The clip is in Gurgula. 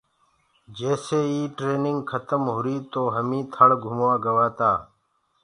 جيسي هيِ ٽرينگ کتم هُري تو همي ٿݪ گھموآ گوآتا۔